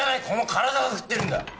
この体が食ってるんだ。